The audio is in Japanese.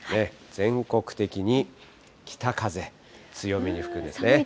全国的に北風、強めに吹くんですね。